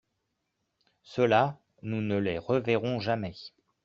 Ceux-là, nous ne les reverrons jamais.